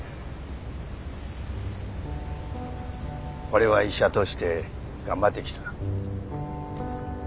俺は医者として頑張ってきた。